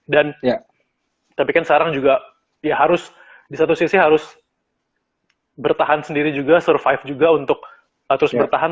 dan tapi kan sekarang juga ya harus di satu sisi harus bertahan sendiri juga survive juga untuk terus bertahan